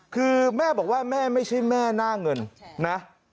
คือแม่บอกว่าแม่ไม่ใช่แม่หน้าเงินนะ